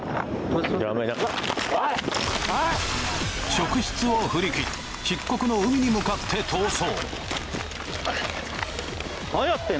職質を振り切り漆黒の海に向かって逃走！